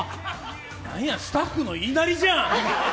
なんや、スタッフの言いなりじゃん。